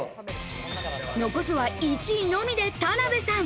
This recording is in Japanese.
残すは１位のみで田辺さん。